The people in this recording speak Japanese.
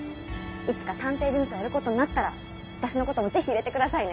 いつか探偵事務所やることになったら私のこともぜひ入れて下さいね。